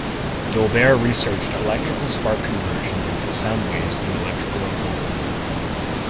Dolbear researched electrical spark conversion into sound waves and electrical impulses.